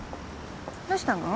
どうしたの？